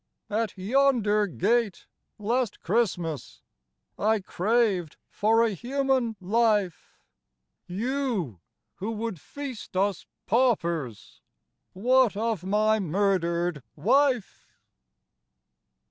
IS At yonder gate, last Christmas, I craved for a human life. You, who would feast us paupers. What of my murdered wife !